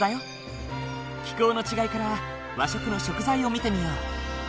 気候の違いから和食の食材を見てみよう。